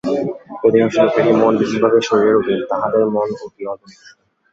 অধিকাংশ লোকেরই মন বিশেষভাবে শরীরের অধীন, তাহাদের মন অতি অল্প-বিকশিত।